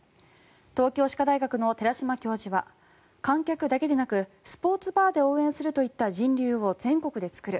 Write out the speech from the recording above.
東京歯科大学の寺嶋教授は観客だけでなくスポーツバーで応援するといった人流を全国で作る。